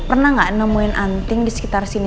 pernah gak nemuin anting disekitar sini